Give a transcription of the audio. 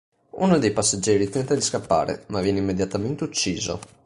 Uno dei passeggeri tenta di scappare, ma viene immediatamente ucciso.